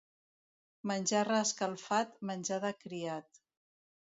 Menjar reescalfat, menjar de criat.